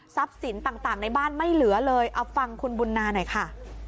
สินต่างในบ้านไม่เหลือเลยเอาฟังคุณบุญนาหน่อยค่ะ